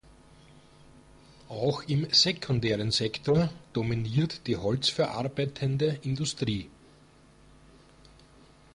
Auch im sekundären Sektor dominiert die holzverarbeitende Industrie.